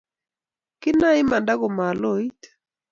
Kinae imanda komaloit